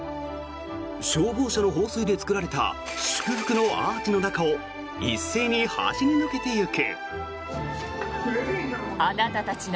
消防車の放水で作られた祝福のアーチの中を一斉に走り抜けていく。